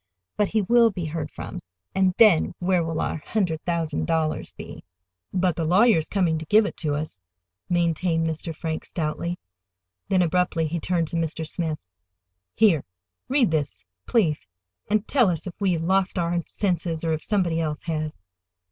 But he will be heard from—and then where will our hundred thousand dollars be?" "But the lawyer's coming to give it to us," maintained Mr. Frank stoutly. Then abruptly he turned to Mr. Smith. "Here, read this, please, and tell us if we have lost our senses—or if somebody else has."